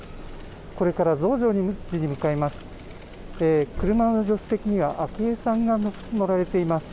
これから増上寺に向かいます。